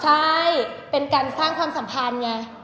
ใช่เป็นการสร้างความสัมพันธ์ไง